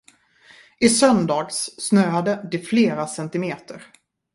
I söndags snöade det flera centimeter.